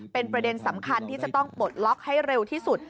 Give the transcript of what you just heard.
เป็นประเด็นสำคัญที่จะต้องปลดล็อกให้เร็วที่สุด